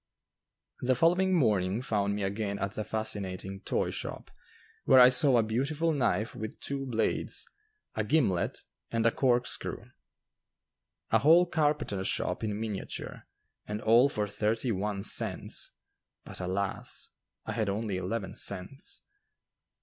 The following morning found me again at the fascinating toy shop, where I saw a beautiful knife with two blades, a gimlet, and a corkscrew, a whole carpenter shop in miniature, and all for thirty one cents. But, alas! I had only eleven cents.